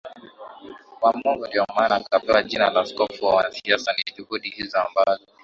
wa Mungu ndio maana akapewa jina la askofu wa wanasiasa Ni juhudi hizo ambazo